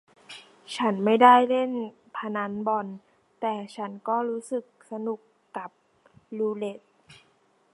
ฉันไม่ได้เล่นพนันบ่อนแต่ฉันก็รู้สึกสนุกกับรูเรทท์